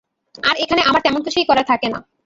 আর এখানে আমার তেমন কিছুই করার থাকে না।